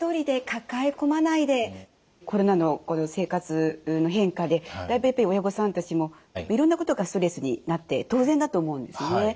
コロナの生活の変化でだいぶやっぱり親御さんたちもいろんなことがストレスになって当然だと思うんですね。